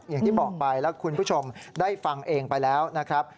อย่างที่บอกไปแล้วคุณผู้ชมได้ฟังเองไปแล้วนะครับ